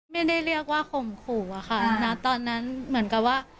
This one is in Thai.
ไม่ได้เรียกว่าขงขู่ตอนนั้นเหมือนกับว่า